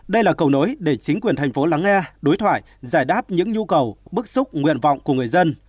đây là cầu nối để chính quyền thành phố lắng nghe đối thoại giải đáp những nhu cầu bức xúc nguyện vọng của người dân